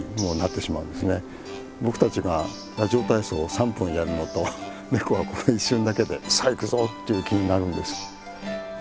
僕たちが「ラジオ体操」３分やるのとネコはこの一瞬だけで「さあ行くぞ！」っていう気になるんです。